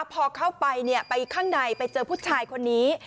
พอเข้าไปไปข้างในไปเจอผู้ชายคนนี้